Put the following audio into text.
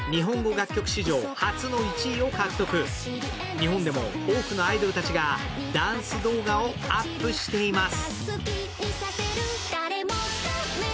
日本でも多くのアイドルたちがダンス動画をアップしています。